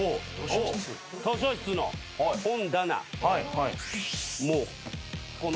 図書室の本棚。